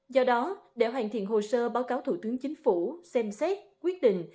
do đó để hoàn thiện hồ sơ báo cáo thủ tướng chính phủ xem xét quyết định